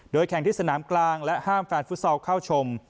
แข่งที่สนามกลางและห้ามแฟนฟุตซอลเข้าชม